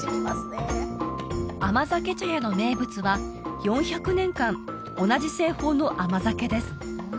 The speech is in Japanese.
甘酒茶屋の名物は４００年間同じ製法の甘酒です